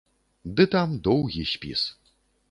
Ды там доўгі спіс.